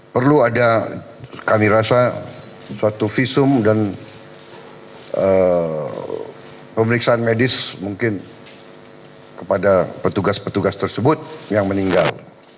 perlu ada kami rasa suatu visum dan pemeriksaan medis mungkin kepada petugas petugas tersebut yang meninggal